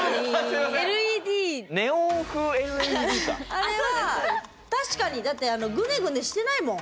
あれは確かにだってグネグネしてないもん